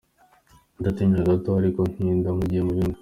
Ndatindaho gato ariko ntinda mpugiye mu bindi.